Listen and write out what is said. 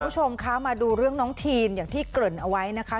คุณผู้ชมคะมาดูเรื่องน้องทีนอย่างที่เกริ่นเอาไว้นะคะ